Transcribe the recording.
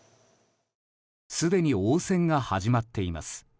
すでに応戦が始まっています。